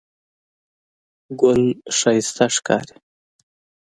ګل ښایسته ښکاري.